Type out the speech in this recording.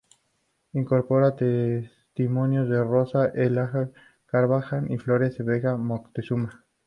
Incorpora testimonios de Rosa Elena Carvajal y Florencia Vega Moctezuma.